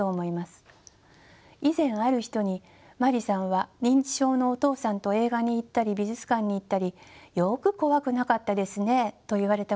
以前ある人に「まりさんは認知症のお父さんと映画に行ったり美術館に行ったりよく怖くなかったですね」と言われたことがあります。